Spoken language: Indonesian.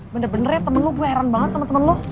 bener bener ya temen lu gue heran banget sama temen lo